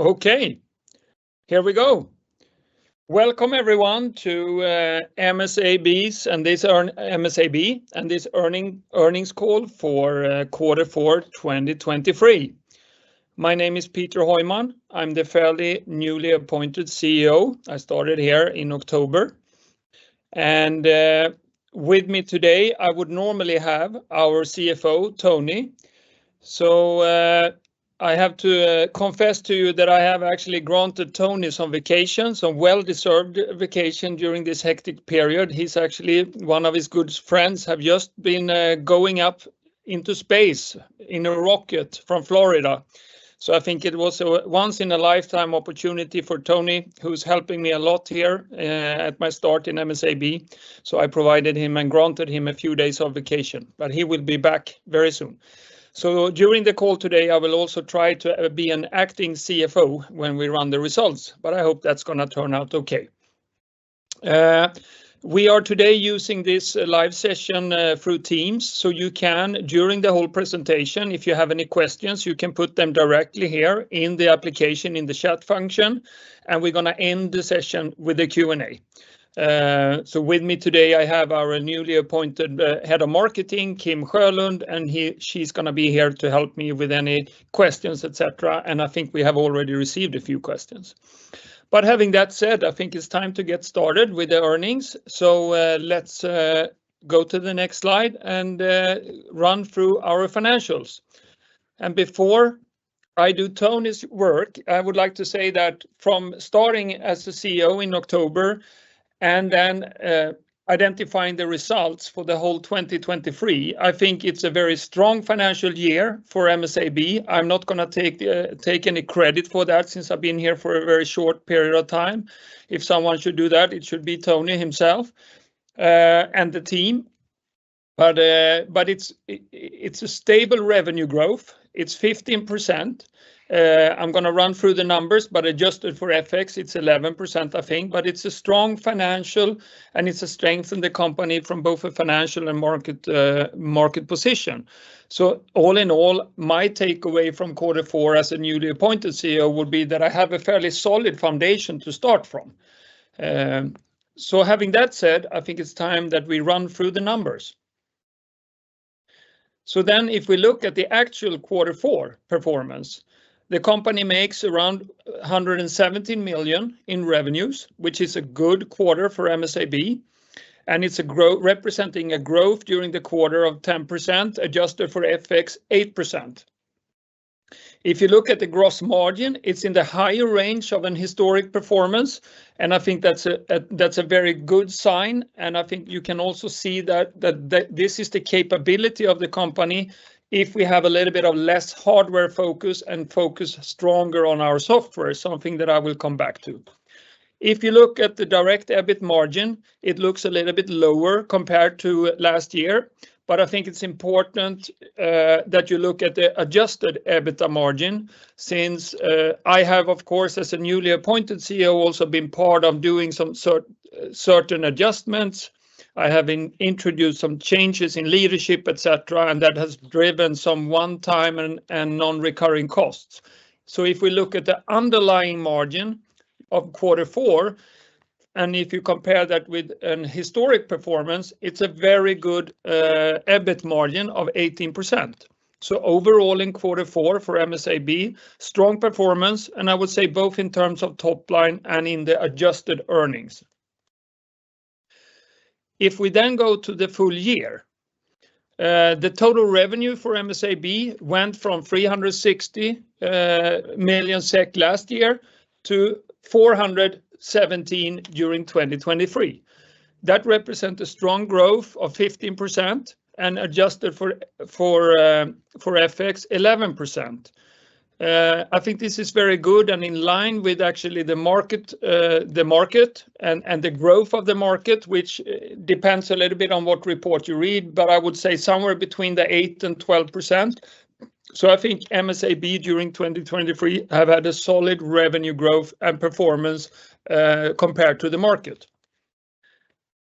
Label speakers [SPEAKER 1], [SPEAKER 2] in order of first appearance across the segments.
[SPEAKER 1] Okay, here we go. Welcome everyone to MSAB's earnings call for quarter 4, 2023. My name is Peter Heuman. I'm the fairly newly appointed CEO. I started here in October, and with me today, I would normally have our CFO, Tony. So I have to confess to you that I have actually granted Tony some vacation, some well-deserved vacation during this hectic period. He's actually... One of his good friends have just been going up into space in a rocket from Florida. So I think it was a once in a lifetime opportunity for Tony, who's helping me a lot here at my start in MSAB. So I provided him and granted him a few days of vacation, but he will be back very soon. So during the call today, I will also try to be an acting CFO when we run the results, but I hope that's gonna turn out okay. We are today using this live session through Teams, so you can, during the whole presentation, if you have any questions, you can put them directly here in the application, in the chat function, and we're gonna end the session with a Q&A. So with me today, I have our newly appointed head of marketing, Kim Sjölund, and she's gonna be here to help me with any questions, et cetera, and I think we have already received a few questions. But having that said, I think it's time to get started with the earnings. So, let's go to the next slide and run through our financials. And before I do Tony's work, I would like to say that from starting as the CEO in October and then identifying the results for the whole 2023, I think it's a very strong financial year for MSAB. I'm not gonna take any credit for that, since I've been here for a very short period of time. If someone should do that, it should be Tony himself and the team. But it's a stable revenue growth. It's 15%. I'm gonna run through the numbers, but adjusted for FX, it's 11%, I think. But it's a strong financial, and it's a strength in the company from both a financial and market position. So all in all, my takeaway from quarter four as a newly appointed CEO would be that I have a fairly solid foundation to start from. So having that said, I think it's time that we run through the numbers. So then, if we look at the actual quarter four performance, the company makes around 117 million in revenues, which is a good quarter for MSAB, and it's growth representing a growth during the quarter of 10%, adjusted for FX, 8%. If you look at the gross margin, it's in the higher range of an historic performance, and I think that's a, that's a very good sign, and I think you can also see that, that, this is the capability of the company if we have a little bit of less hardware focus and focus stronger on our software, something that I will come back to. If you look at the direct EBIT margin, it looks a little bit lower compared to last year, but I think it's important, that you look at the adjusted EBITDA margin, since I have, of course, as a newly appointed CEO, also been part of doing some certain adjustments. I have introduced some changes in leadership, et cetera, and that has driven some one-time and non-recurring costs. So if we look at the underlying margin of quarter four, and if you compare that with an historic performance, it's a very good EBIT margin of 18%. So overall, in quarter four for MSAB, strong performance, and I would say both in terms of top line and in the adjusted earnings. If we then go to the full year, the total revenue for MSAB went from 360 million SEK last year to 417 million SEK during 2023. That represent a strong growth of 15%, and adjusted for FX, 11%. I think this is very good and in line with actually the market and the growth of the market, which depends a little bit on what report you read, but I would say somewhere between 8% and 12%. So I think MSAB, during 2023, have had a solid revenue growth and performance, compared to the market.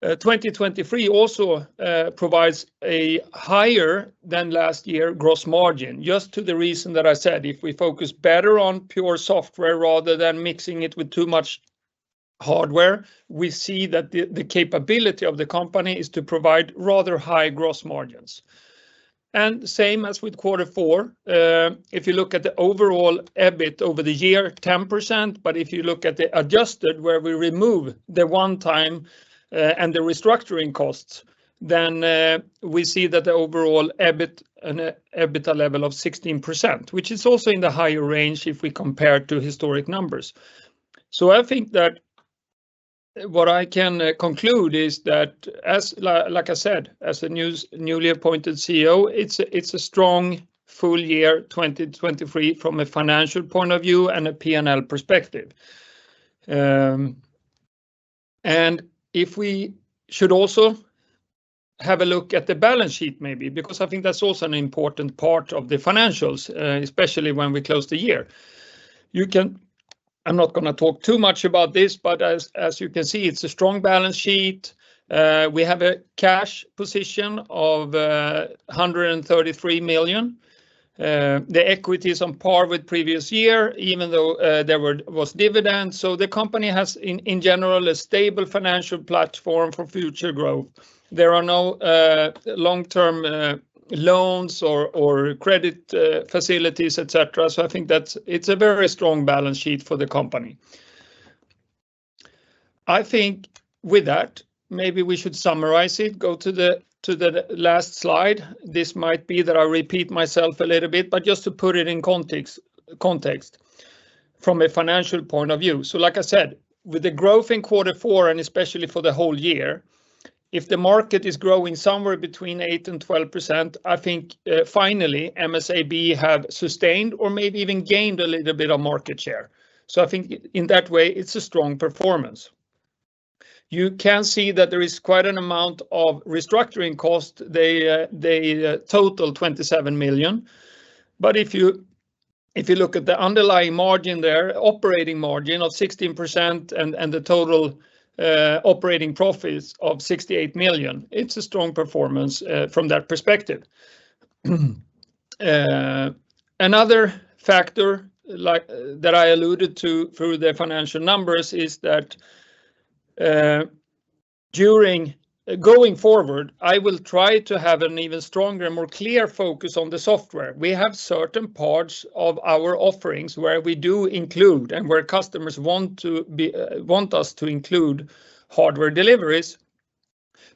[SPEAKER 1] 2023 also provides a higher than last year gross margin, just to the reason that I said, if we focus better on pure software rather than mixing it with too much hardware, we see that the capability of the company is to provide rather high gross margins. And same as with quarter four, if you look at the overall EBIT over the year, 10%, but if you look at the adjusted, where we remove the one-time and the restructuring costs, then we see that the overall EBIT and EBITDA level of 16%, which is also in the higher range if we compare it to historic numbers. So I think that what I can conclude is that as, like I said, as a newly appointed CEO, it's a, it's a strong full year 2023 from a financial point of view and a P&L perspective. And if we should also have a look at the balance sheet, maybe, because I think that's also an important part of the financials, especially when we close the year. I'm not gonna talk too much about this, but as you can see, it's a strong balance sheet. We have a cash position of 133 million. The equity is on par with previous year, even though there was dividends. So the company has, in general, a stable financial platform for future growth. There are no long-term loans or credit facilities, et cetera, so I think that's it's a very strong balance sheet for the company. I think with that, maybe we should summarize it. Go to the last slide. This might be that I repeat myself a little bit, but just to put it in context from a financial point of view. So like I said, with the growth in quarter four, and especially for the whole year, if the market is growing somewhere between 8%-12%, I think finally MSAB have sustained or maybe even gained a little bit of market share. So I think in that way, it's a strong performance. You can see that there is quite an amount of restructuring costs. They total 27 million, but if you look at the underlying margin there, operating margin of 16% and the total operating profits of 68 million, it's a strong performance from that perspective. Another factor, like, that I alluded to through the financial numbers is that going forward, I will try to have an even stronger, more clear focus on the software. We have certain parts of our offerings where we do include, and where customers want to be, want us to include hardware deliveries.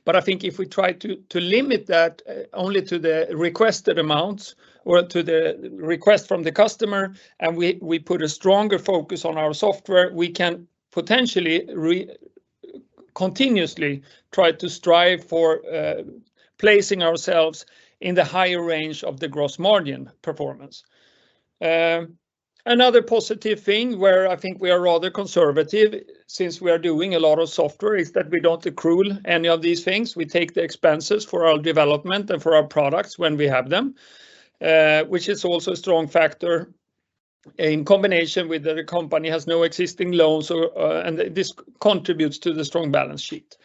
[SPEAKER 1] But I think if we try to limit that only to the requested amounts or to the request from the customer, and we put a stronger focus on our software, we can potentially continuously try to strive for placing ourselves in the higher range of the gross margin performance. Another positive thing where I think we are rather conservative, since we are doing a lot of software, is that we don't accrue any of these things. We take the expenses for our development and for our products when we have them, which is also a strong factor in combination with the company has no existing loans or. And this contributes to the strong balance sheet.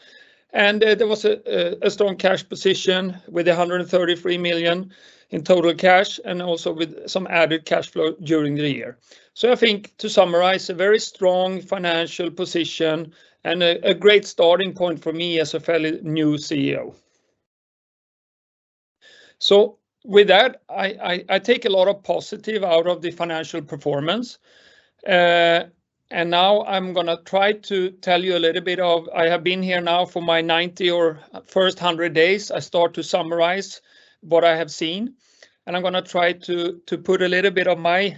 [SPEAKER 1] And there was a strong cash position with 133 million in total cash, and also with some added cash flow during the year. So I think, to summarize, a very strong financial position and a great starting point for me as a fairly new CEO. So with that, I take a lot of positive out of the financial performance. And now I'm gonna try to tell you a little bit of... I have been here now for my 90 or first 100 days. I start to summarize what I have seen, and I'm gonna try to, to put a little bit of my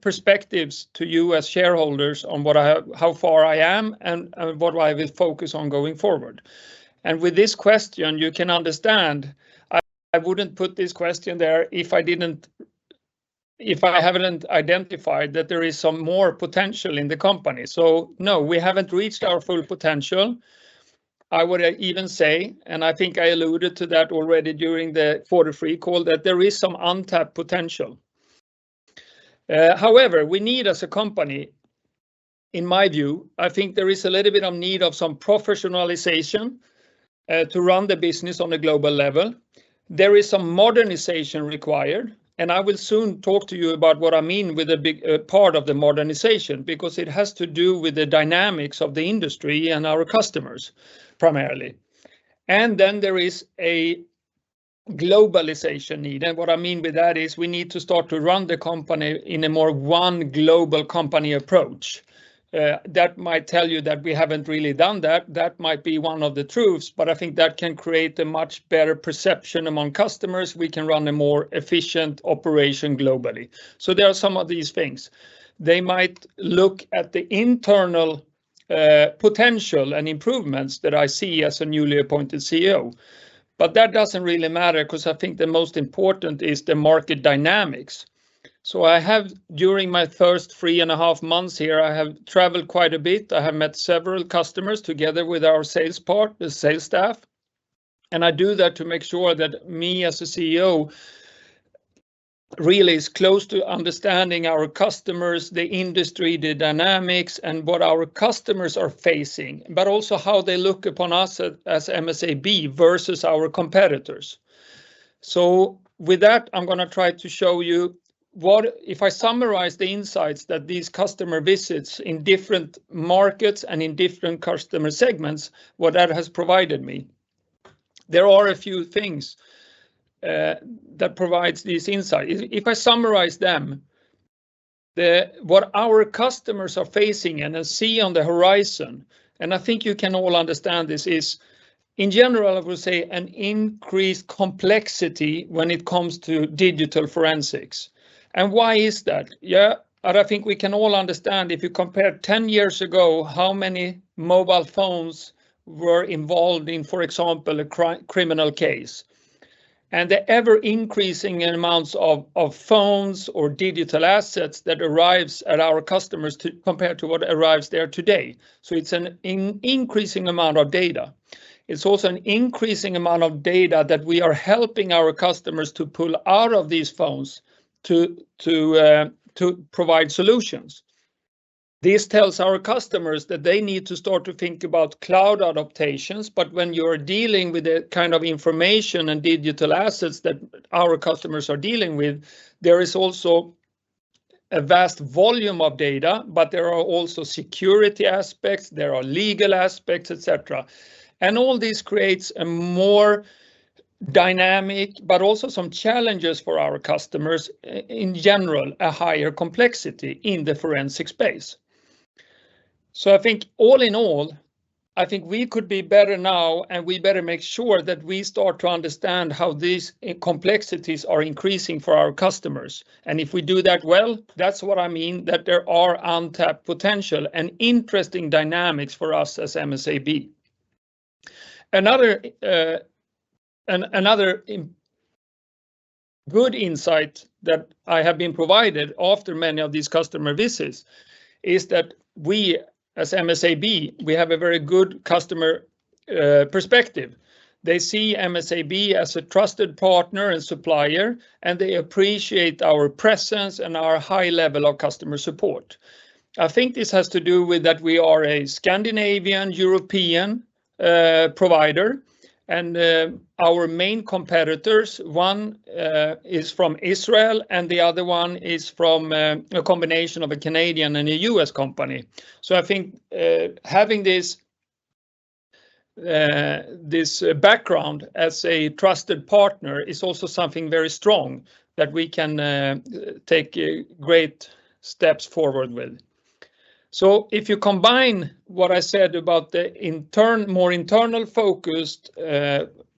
[SPEAKER 1] perspectives to you as shareholders on what I have- how far I am, and what I will focus on going forward. With this question, you can understand, I wouldn't put this question there if I didn't- if I haven't identified that there is some more potential in the company. So no, we haven't reached our full potential. I would even say, and I think I alluded to that already during the quarter three call, that there is some untapped potential. However, we need, as a company, in my view, I think there is a little bit of need of some professionalization to run the business on a global level. There is some modernization required, and I will soon talk to you about what I mean with a big part of the modernization, because it has to do with the dynamics of the industry and our customers primarily. Then there is a globalization need. What I mean by that is we need to start to run the company in a more one global company approach. That might tell you that we haven't really done that. That might be one of the truths, but I think that can create a much better perception among customers. We can run a more efficient operation globally. So there are some of these things. They might look at the internal potential and improvements that I see as a newly appointed CEO, but that doesn't really matter, 'cause I think the most important is the market dynamics. So I have, during my first three and a half months here, I have traveled quite a bit. I have met several customers together with our sales part, the sales staff, and I do that to make sure that me as the CEO really is close to understanding our customers, the industry, the dynamics, and what our customers are facing, but also how they look upon us as MSAB versus our competitors. So with that, I'm gonna try to show you what... If I summarize the insights that these customer visits in different markets and in different customer segments, what that has provided me. There are a few things that provides these insight. If I summarize them, what our customers are facing and I see on the horizon, and I think you can all understand this, in general, I would say, an increased complexity when it comes to digital forensics. And why is that? Yeah, and I think we can all understand, if you compare 10 years ago, how many mobile phones were involved in, for example, a criminal case, and the ever-increasing amounts of phones or digital assets that arrives at our customers compared to what arrives there today, so it's an increasing amount of data. It's also an increasing amount of data that we are helping our customers to pull out of these phones to provide solutions. This tells our customers that they need to start to think about cloud adaptations, but when you're dealing with the kind of information and digital assets that our customers are dealing with, there is also a vast volume of data, but there are also security aspects, there are legal aspects, et cetera. All this creates a more dynamic, but also some challenges for our customers, in general, a higher complexity in the forensic space. So I think all in all, I think we could be better now, and we better make sure that we start to understand how these complexities are increasing for our customers. And if we do that well, that's what I mean, that there are untapped potential and interesting dynamics for us as MSAB. Another good insight that I have been provided after many of these customer visits is that we, as MSAB, we have a very good customer perspective. They see MSAB as a trusted partner and supplier, and they appreciate our presence and our high level of customer support. I think this has to do with that we are a Scandinavian, European provider, and our main competitors, one is from Israel, and the other one is from a combination of a Canadian and a U.S. company. So I think having this this background as a trusted partner is also something very strong that we can take great steps forward with. So if you combine what I said about the more internal-focused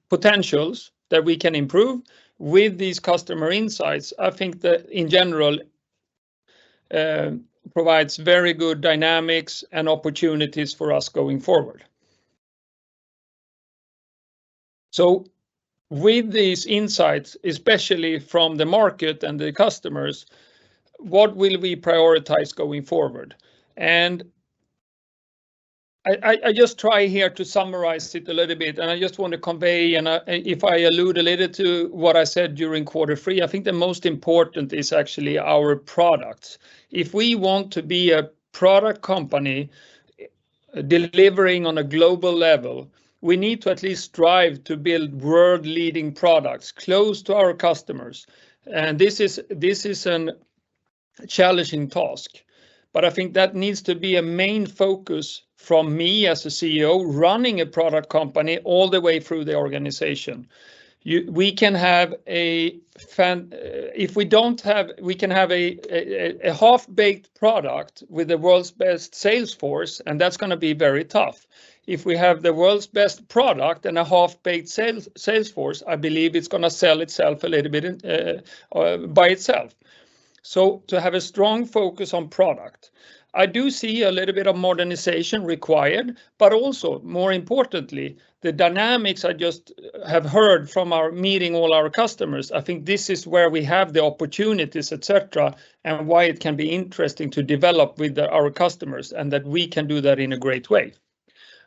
[SPEAKER 1] potentials that we can improve with these customer insights, I think that, in general, provides very good dynamics and opportunities for us going forward. So with these insights, especially from the market and the customers, what will we prioritize going forward? And I just try here to summarize it a little bit, and I just want to convey, and I... And if I allude a little to what I said during quarter three, I think the most important is actually our product. If we want to be a product company delivering on a global level, we need to at least strive to build world-leading products close to our customers. This is a challenging task, but I think that needs to be a main focus from me as a CEO, running a product company all the way through the organization. We can have a half-baked product with the world's best sales force, and that's gonna be very tough. If we have the world's best product and a half-baked sales force, I believe it's gonna sell itself a little bit by itself. So to have a strong focus on product, I do see a little bit of modernization required, but also, more importantly, the dynamics I just have heard from our meeting all our customers, I think this is where we have the opportunities, et cetera, and why it can be interesting to develop with our customers, and that we can do that in a great way.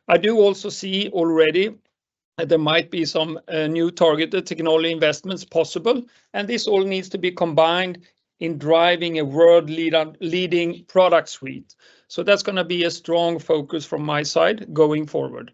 [SPEAKER 1] I do also see already that there might be some new targeted technology investments possible, and this all needs to be combined in driving a world-leading product suite. So that's gonna be a strong focus from my side going forward.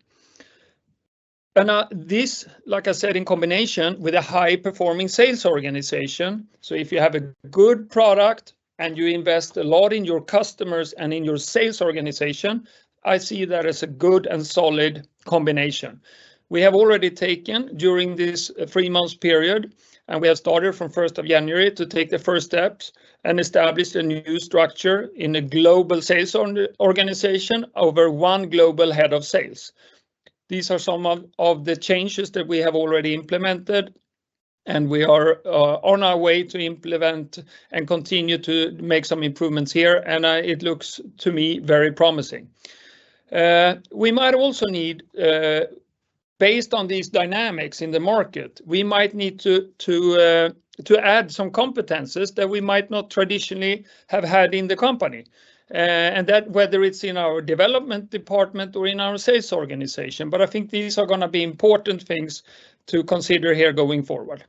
[SPEAKER 1] And this, like I said, in combination with a high-performing sales organization, so if you have a good product and you invest a lot in your customers and in your sales organization, I see that as a good and solid combination. We have already taken, during this three-month period, and we have started from 1st of January to take the first steps and establish a new structure in a global sales organization over one global head of sales. These are some of the changes that we have already implemented, and we are on our way to implement and continue to make some improvements here, and it looks to me very promising. We might also need, based on these dynamics in the market, to add some competencies that we might not traditionally have had in the company, and that whether it's in our development department or in our sales organization. But I think these are gonna be important things to consider here going forward.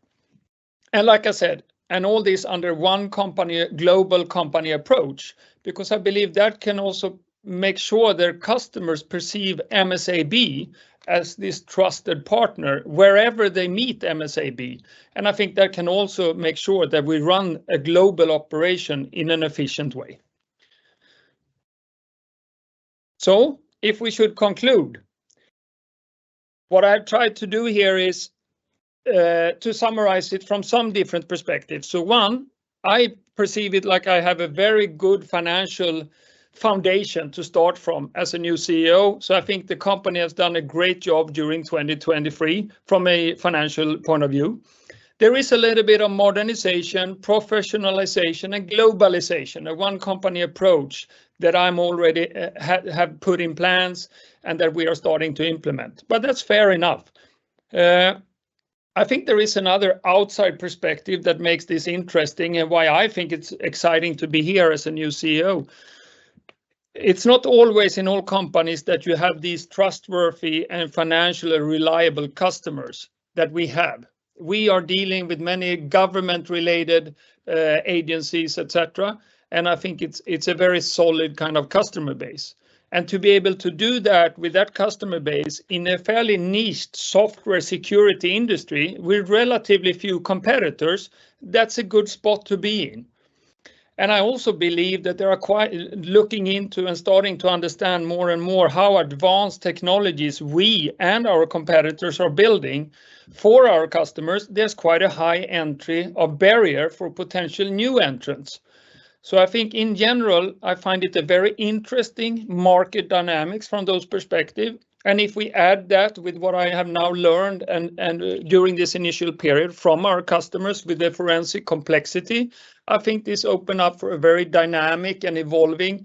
[SPEAKER 1] And like I said, all this under one company, global company approach, because I believe that can also make sure their customers perceive MSAB as this trusted partner wherever they meet MSAB, and I think that can also make sure that we run a global operation in an efficient way. So if we should conclude, what I've tried to do here is to summarize it from some different perspectives. So, one, I perceive it like I have a very good financial foundation to start from as a new CEO, so I think the company has done a great job during 2023 from a financial point of view. There is a little bit of modernization, professionalization, and globalization, a one-company approach that I'm already have put in plans and that we are starting to implement, but that's fair enough. I think there is another outside perspective that makes this interesting and why I think it's exciting to be here as a new CEO. It's not always in all companies that you have these trustworthy and financially reliable customers that we have. We are dealing with many government-related agencies, et cetera, and I think it's a very solid kind of customer base. And to be able to do that with that customer base in a fairly niched software security industry with relatively few competitors, that's a good spot to be in. And I also believe that there are quite looking into and starting to understand more and more how advanced technologies we and our competitors are building for our customers, there's quite a high entry barrier for potential new entrants. So I think in general, I find it a very interesting market dynamics from those perspective, and if we add that with what I have now learned and during this initial period from our customers with the forensic complexity, I think this open up for a very dynamic and evolving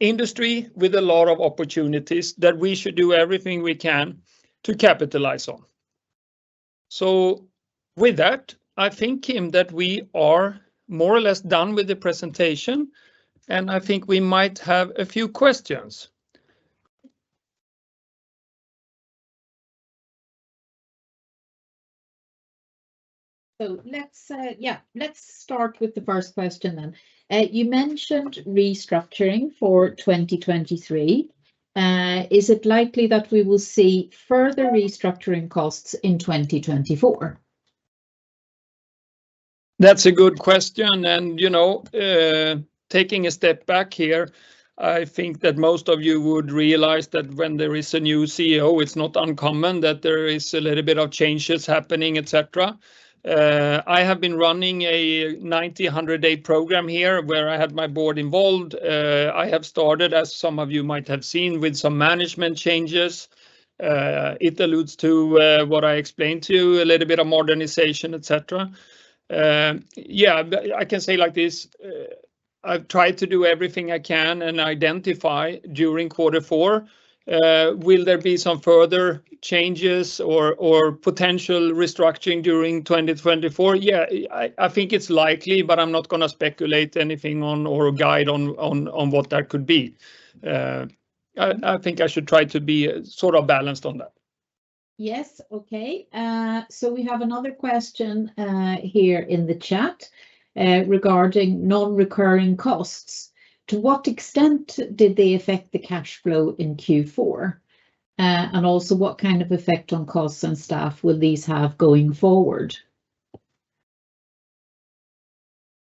[SPEAKER 1] industry with a lot of opportunities that we should do everything we can to capitalize on. So with that, I think, Kim, that we are more or less done with the presentation, and I think we might have a few questions.
[SPEAKER 2] So let's start with the first question then. You mentioned restructuring for 2023. Is it likely that we will see further restructuring costs in 2024?
[SPEAKER 1] That's a good question, and, you know, taking a step back here, I think that most of you would realize that when there is a new CEO, it's not uncommon that there is a little bit of changes happening, et cetera. I have been running a 90-100-day program here, where I had my board involved. I have started, as some of you might have seen, with some management changes. It alludes to what I explained to you, a little bit of modernization, et cetera. Yeah, I can say like this, I've tried to do everything I can and identify during quarter four. Will there be some further changes or potential restructuring during 2024? Yeah, I think it's likely, but I'm not gonna speculate anything on or guide on what that could be. I think I should try to be sort of balanced on that.
[SPEAKER 2] Yes. Okay. So we have another question here in the chat regarding non-recurring costs. To what extent did they affect the cash flow in Q4? And also, what kind of effect on costs and staff will these have going forward?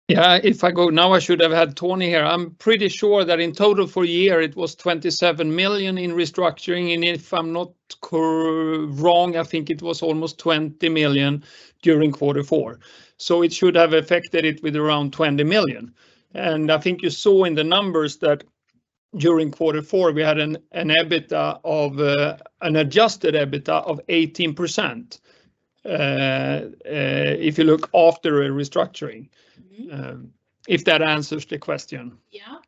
[SPEAKER 1] Yeah, if I go now, I should have had Tony here. I'm pretty sure that in total for a year it was 27 million in restructuring, and if I'm not wrong, I think it was almost 20 million during quarter four. So it should have affected it with around 20 million. And I think you saw in the numbers that during quarter four, we had an EBITDA of an adjusted EBITDA of 18%, if you look after a restructuring-... if that answers the question.
[SPEAKER 2] Yeah.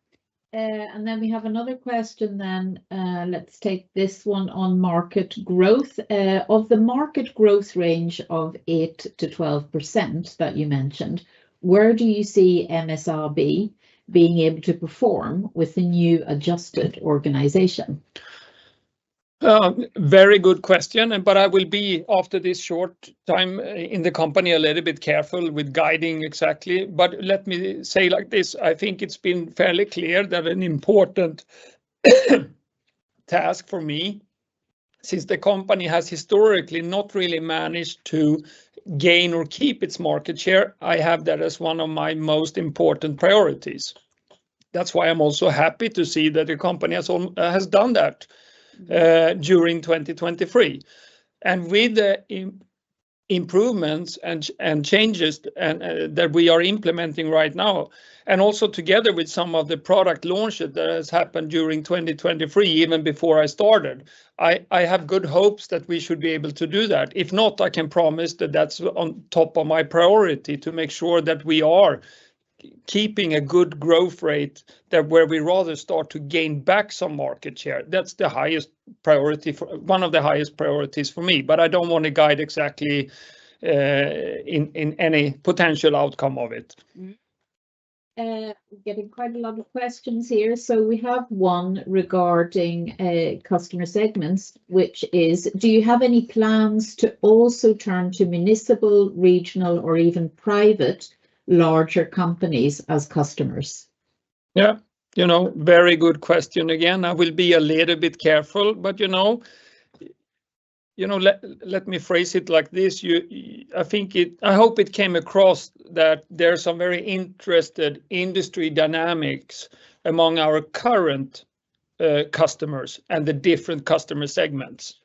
[SPEAKER 2] And then we have another question then. Let's take this one on market growth. Of the market growth range of 8%-12% that you mentioned, where do you see MSAB being able to perform with the new adjusted organization?
[SPEAKER 1] Very good question, and but I will be, after this short time in the company, a little bit careful with guiding exactly. But let me say like this, I think it's been fairly clear that an important task for me, since the company has historically not really managed to gain or keep its market share, I have that as one of my most important priorities. That's why I'm also happy to see that the company has done that-
[SPEAKER 2] Mm...
[SPEAKER 1] during 2023. With the improvements and changes and that we are implementing right now, and also together with some of the product launch that has happened during 2023, even before I started, I have good hopes that we should be able to do that. If not, I can promise that that's on top of my priority, to make sure that we are keeping a good growth rate that where we rather start to gain back some market share. That's the highest priority one of the highest priorities for me, but I don't want to guide exactly, in any potential outcome of it.
[SPEAKER 2] Getting quite a lot of questions here, so we have one regarding customer segments, which is, do you have any plans to also turn to municipal, regional, or even private larger companies as customers?
[SPEAKER 1] Yeah, you know, very good question. Again, I will be a little bit careful, but, you know... You know, let me phrase it like this. I think, I hope it came across that there are some very interested industry dynamics among our current customers and the different customer segments.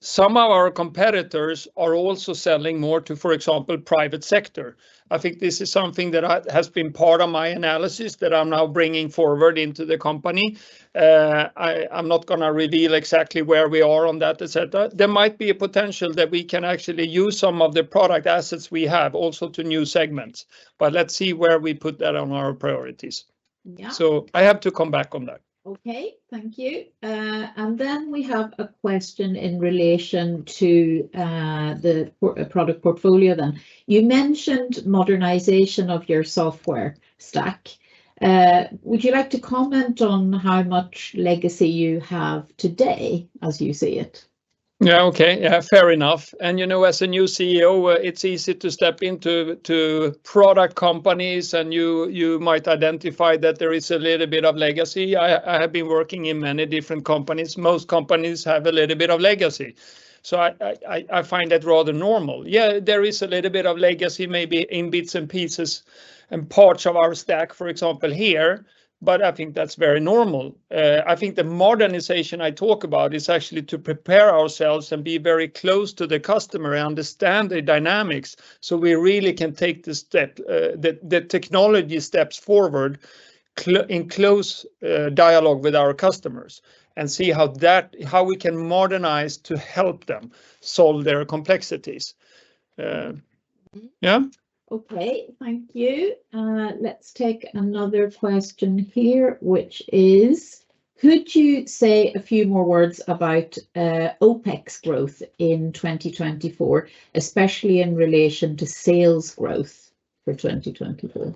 [SPEAKER 1] Some of our competitors are also selling more to, for example, private sector. I think this is something that has been part of my analysis that I'm now bringing forward into the company. I'm not gonna reveal exactly where we are on that, et cetera. There might be a potential that we can actually use some of the product assets we have also to new segments, but let's see where we put that on our priorities.
[SPEAKER 2] Yeah.
[SPEAKER 1] I have to come back on that.
[SPEAKER 2] Okay, thank you. And then we have a question in relation to the product portfolio then. You mentioned modernization of your software stack... Would you like to comment on how much legacy you have today as you see it?
[SPEAKER 1] Yeah, okay. Yeah, fair enough. And, you know, as a new CEO, it's easy to step into product companies, and you might identify that there is a little bit of legacy. I have been working in many different companies. Most companies have a little bit of legacy, so I find that rather normal. Yeah, there is a little bit of legacy, maybe in bits and pieces and parts of our stack, for example, here, but I think that's very normal. I think the modernization I talk about is actually to prepare ourselves and be very close to the customer and understand the dynamics so we really can take the step, the technology steps forward in close dialogue with our customers and see how that... how we can modernize to help them solve their complexities. Yeah?
[SPEAKER 2] Okay. Thank you. Let's take another question here, which is: could you say a few more words about OpEx growth in 2024, especially in relation to sales growth for 2024?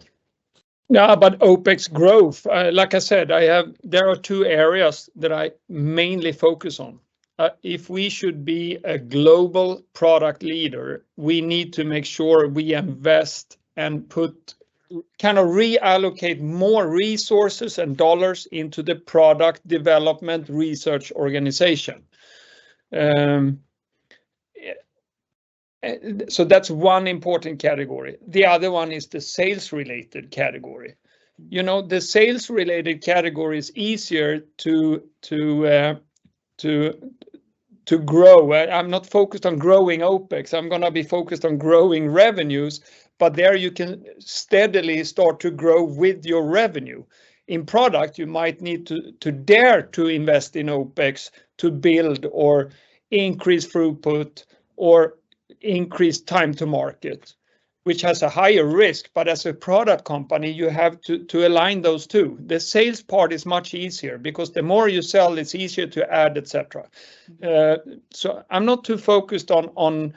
[SPEAKER 1] Yeah, about OpEx growth, like I said, there are two areas that I mainly focus on. If we should be a global product leader, we need to make sure we invest and kind of reallocate more resources and dollars into the product development research organization. So that's one important category. The other one is the sales-related category. You know, the sales-related category is easier to grow. I'm not focused on growing OpEx. I'm gonna be focused on growing revenues, but there you can steadily start to grow with your revenue. In product, you might need to dare to invest in OpEx to build or increase throughput or increase time to market, which has a higher risk, but as a product company, you have to align those two. The sales part is much easier, because the more you sell, it's easier to add, et cetera. So I'm not too focused on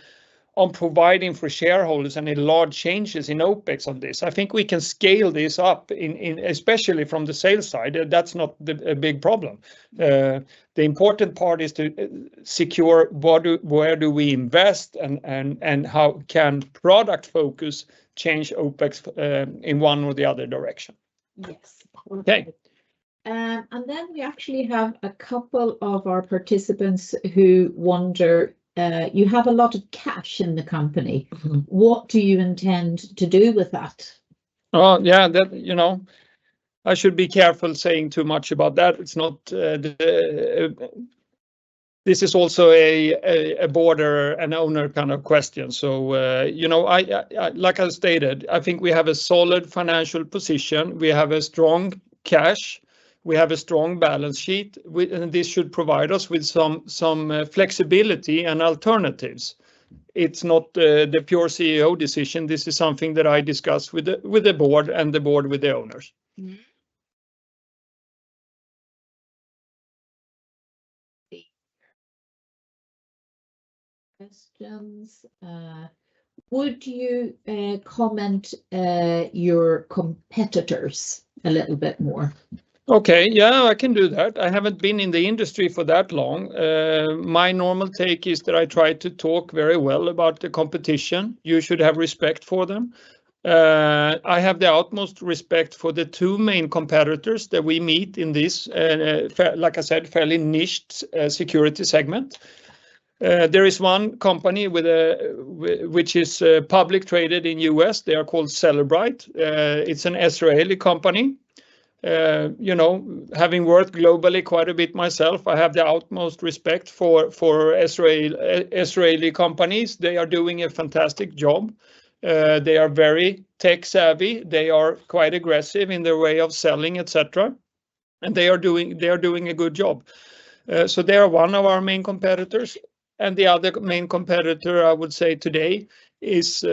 [SPEAKER 1] providing for shareholders any large changes in OpEx on this. I think we can scale this up in, especially from the sales side. That's not a big problem. The important part is to secure where we invest, and how can product focus change OpEx in one or the other direction?
[SPEAKER 2] Yes.
[SPEAKER 1] Okay.
[SPEAKER 2] And then we actually have a couple of our participants who wonder, you have a lot of cash in the company.
[SPEAKER 1] Mm-hmm.
[SPEAKER 2] What do you intend to do with that?
[SPEAKER 1] Oh, yeah, that, you know, I should be careful saying too much about that. It's not... This is also a board or an owner kind of question. So, you know, like I stated, I think we have a solid financial position. We have a strong cash. We have a strong balance sheet. And this should provide us with some flexibility and alternatives. It's not the pure CEO decision. This is something that I discuss with the board and the board with the owners.
[SPEAKER 2] Mm-hmm. Questions. Would you comment your competitors a little bit more?
[SPEAKER 1] Okay. Yeah, I can do that. I haven't been in the industry for that long. My normal take is that I try to talk very well about the competition. You should have respect for them. I have the utmost respect for the two main competitors that we meet in this, like I said, fairly niched, security segment. There is one company with a, which is, publicly traded in US. They are called Cellebrite. It's an Israeli company. You know, having worked globally quite a bit myself, I have the utmost respect for Israeli companies. They are doing a fantastic job. They are very tech-savvy. They are quite aggressive in their way of selling, et cetera, and they are doing a good job. So they are one of our main competitors, and the other main competitor, I would say today, is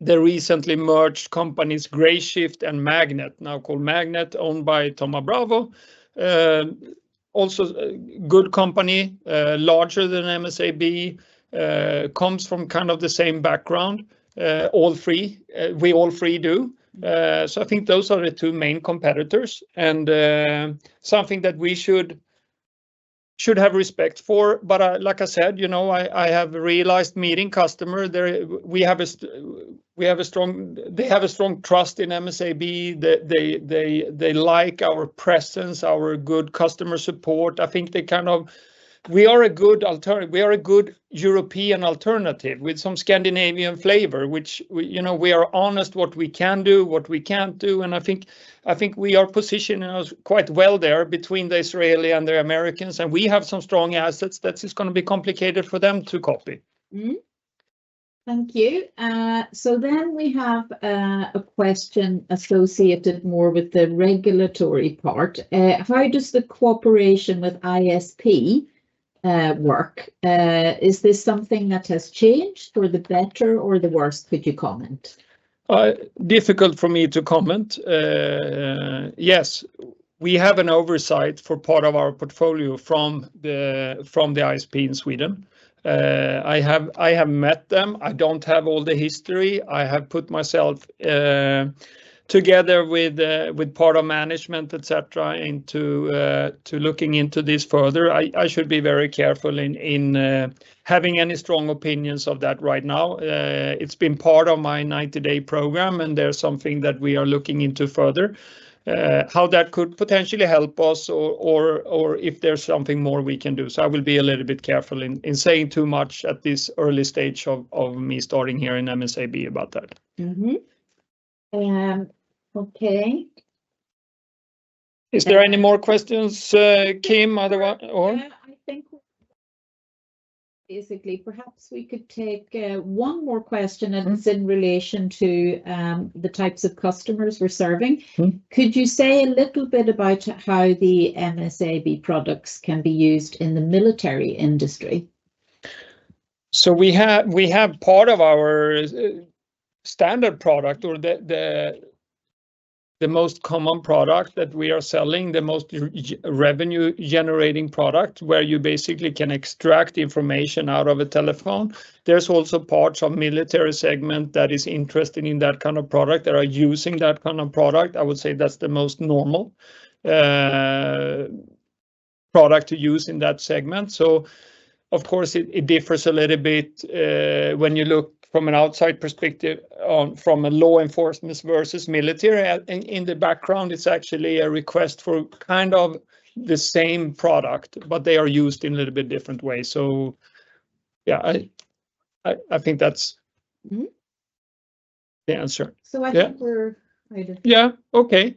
[SPEAKER 1] the recently merged companies, Grayshift and Magnet, now called Magnet, owned by Thoma Bravo. Also a good company, larger than MSAB. Comes from kind of the same background, all three. We all three do. So I think those are the two main competitors and something that we should have respect for. But like I said, you know, I have realized meeting customers, they have a strong trust in MSAB. They like our presence, our good customer support. I think they kind of... We are a good European alternative with some Scandinavian flavor, which we, you know, we are honest what we can do, what we can't do, and I think, I think we are positioning us quite well there between the Israeli and the Americans. And we have some strong assets that is gonna be complicated for them to copy.
[SPEAKER 2] Thank you. So then we have a question associated more with the regulatory part. How does the cooperation with ISP work? Is this something that has changed for the better or the worse? Could you comment?
[SPEAKER 1] Difficult for me to comment. Yes.... We have an oversight for part of our portfolio from the ISP in Sweden. I have met them. I don't have all the history. I have put myself together with part of management, et cetera, into looking into this further. I should be very careful in having any strong opinions of that right now. It's been part of my 90-day program, and there's something that we are looking into further, how that could potentially help us or if there's something more we can do. So I will be a little bit careful in saying too much at this early stage of me starting here in MSAB about that.
[SPEAKER 2] Okay.
[SPEAKER 1] Is there any more questions, Kim, otherwise, or?
[SPEAKER 2] Yeah, I think basically, perhaps we could take one more question- and it's in relation to, the types of customers we're serving. Could you say a little bit about how the MSAB products can be used in the military industry?
[SPEAKER 1] So we have part of our standard product or the most common product that we are selling, the most revenue-generating product, where you basically can extract information out of a telephone. There's also parts of military segment that is interested in that kind of product, that are using that kind of product. I would say that's the most normal product to use in that segment. So of course, it differs a little bit when you look from an outside perspective on from a law enforcement versus military. In the background, it's actually a request for kind of the same product, but they are used in a little bit different way. So yeah, I think that's-
[SPEAKER 2] Mm...
[SPEAKER 1] the answer.
[SPEAKER 2] So I think-
[SPEAKER 1] Yeah...
[SPEAKER 2] we're ready.
[SPEAKER 1] Yeah, okay.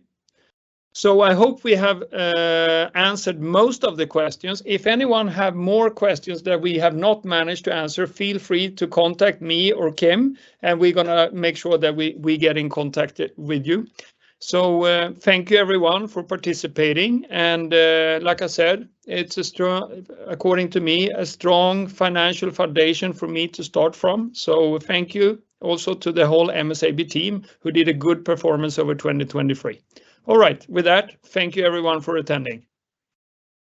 [SPEAKER 1] So I hope we have answered most of the questions. If anyone have more questions that we have not managed to answer, feel free to contact me or Kim, and we're gonna make sure that we, we get in contact with you. So, thank you, everyone, for participating, and, like I said, it's a strong, according to me, a strong financial foundation for me to start from. So thank you also to the whole MSAB team, who did a good performance over 2023. All right. With that, thank you, everyone, for attending.